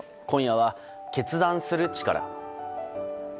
今夜は、決断する力。